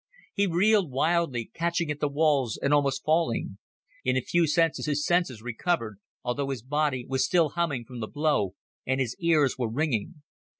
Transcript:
He reeled wildly, catching at the walls and almost falling. In a few seconds his senses recovered, although his body was still humming from the blow and his ears were ringing.